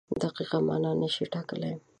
دقیقه مانا نشي ټاکلی.